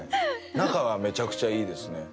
仲はめちゃくちゃいいですね。